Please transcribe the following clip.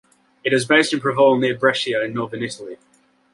It is based in Prevalle near Brescia in northern Italy.